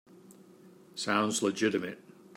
Sounds legitimate.